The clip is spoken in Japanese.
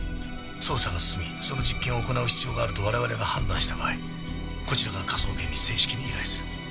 捜査が進みその実験を行う必要があると我々が判断した場合こちらから科捜研に正式に依頼する。